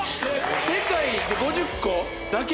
世界で５０個だけ？